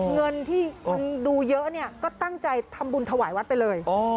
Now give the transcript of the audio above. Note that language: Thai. เงินที่มันดูเยอะเนี่ยก็ตั้งใจทำบุญถวายวัดไปเลย